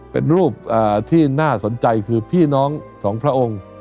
เป็นรูปที่น่าสนใจคือพี่น้องสองพระองค์